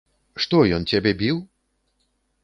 Што, ён цябе біў?